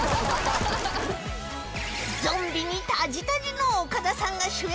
ゾンビにたじたじの岡田さんが主演